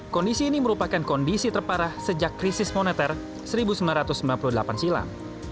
kondisi ini merupakan kondisi terparah sejak krisis moneter seribu sembilan ratus sembilan puluh delapan silam